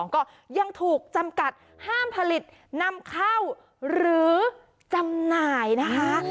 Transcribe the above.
ก็ยังถูกจำกัดห้ามผลิตนำเข้าหรือจำหน่ายนะคะ